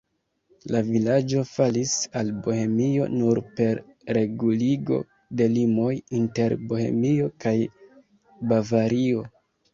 La vilaĝo falis al Bohemio nur per reguligo de limoj inter Bohemio kaj Bavario.